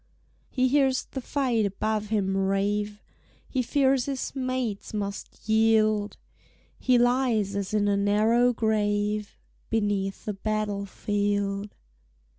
He hears the fight above him rave; He fears his mates must yield; He lies as in a narrow grave Beneath a battle field.